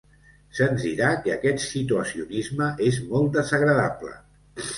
Se'ns dirà que aquest situacionisme és molt desagradable.